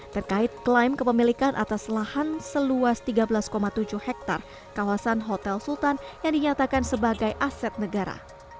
terkait klaim kepemilikan atas lahan seluas tiga belas tujuh hektare kawasan hotel sultan yang dinyatakan sebagai aset negara